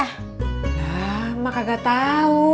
lah emang kagak tau